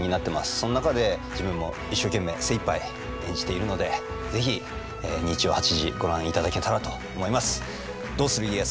その中で自分も一生懸命精いっぱい演じているので是非日曜８時ご覧いただけたらと思います。